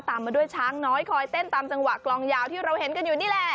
มาด้วยช้างน้อยคอยเต้นตามจังหวะกลองยาวที่เราเห็นกันอยู่นี่แหละ